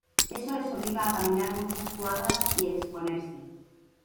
Eso les obliga a caminar muchas cuadras y exponerse.